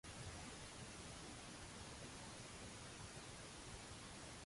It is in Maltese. Allura għaliex ma ħalltux l-ewwel waħda?